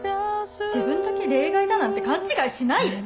自分だけ例外だなんて勘違いしないで。